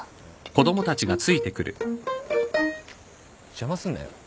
邪魔すんなよ。